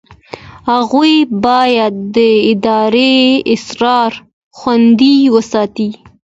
هغه باید د ادارې اسرار خوندي وساتي.